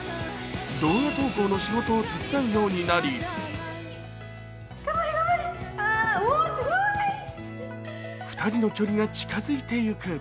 動画投稿の仕事を手伝うようになり２人の距離が近づいてゆく。